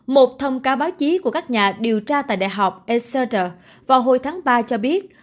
một thông cáo báo chí của các nhà điều tra tại đại học essager vào hồi tháng ba cho biết